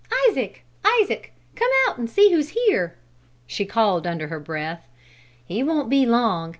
Isaac! Isaac! Come out and see who's here," she called under her breath. "He won't be long.